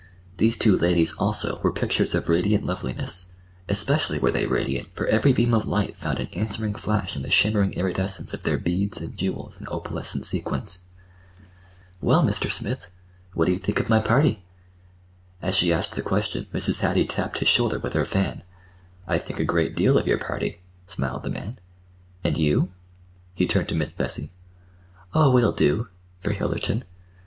These two ladies, also, were pictures of radiant loveliness—especially were they radiant, for every beam of light found an answering flash in the shimmering iridescence of their beads and jewels and opalescent sequins. "Well, Mr. Smith, what do you think of my party?" As she asked the question Mrs. Hattie tapped his shoulder with her fan. "I think a great deal—of your party," smiled the man. "And you?" He turned to Miss Bessie. "Oh, it'll do—for Hillerton."